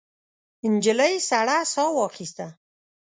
نجلۍ سړه ساه واخیسته.